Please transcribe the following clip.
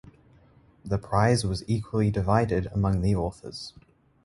The prize was equally divided among the authors.